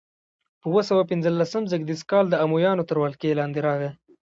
په اووه سوه پنځلسم زېږدیز کال د امویانو تر ولکې لاندې راغي.